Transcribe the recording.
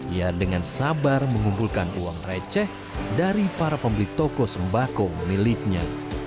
ia dengan sabar mengumpulkan uang receh dari para pembeli toko sembako miliknya